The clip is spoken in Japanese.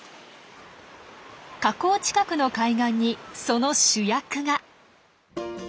河口近くの海岸にその主役が。